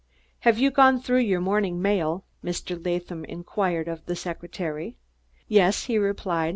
"Have you gone through your morning mail?" Mr. Latham inquired of the secretary. "Yes," he replied.